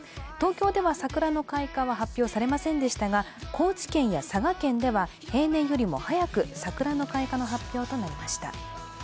東京では桜の開花は発表されませんでしたが高知県や佐賀県では平年よりも早く桜の開花の発表となりました。